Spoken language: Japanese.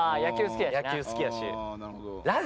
野球好きやしな。